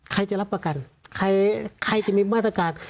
ใครจะรับประกันใครจะมีมาตรการ